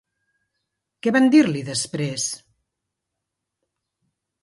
Què van dir-li després?